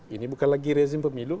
ini bukan lagi rezim pemilu